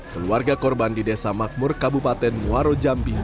keluarga korban di desa makmur kabupaten muarodjambi